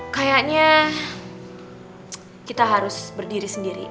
kayaknya kita harus berdiri sendiri